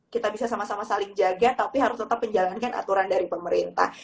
kita bisa sama sama saling jaga tapi harus tetap menjalankan aturan dari pemerintah